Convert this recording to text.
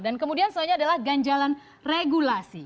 dan kemudian soalnya adalah ganjalan regulasi